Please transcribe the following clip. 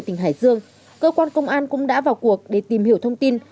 tỉnh hải dương cơ quan công an cũng đã vào cuộc để tìm hiểu thông tin